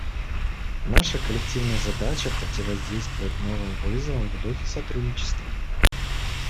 Наша коллективная задача — противодействовать новым вызовам в духе сотрудничества.